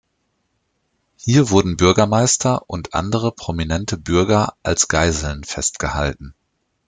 Hier wurden Bürgermeister und andere prominente Bürger als Geiseln festgehalten.